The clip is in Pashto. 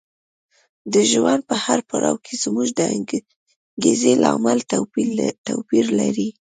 د ژوند په هر پړاو کې زموږ د انګېزې لامل توپیر لري.